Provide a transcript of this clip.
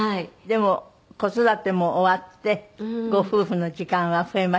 でも子育ても終わってご夫婦の時間は増えましたか？